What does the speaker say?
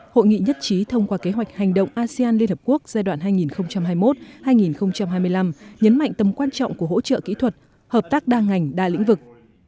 hội nghị nhất trí thông qua kế hoạch hành động asean liên hợp quốc giai đoạn hai nghìn hai mươi một hai nghìn hai mươi năm nhấn mạnh tầm quan trọng của hỗ trợ kỹ thuật hợp tác đa ngành đa lĩnh vực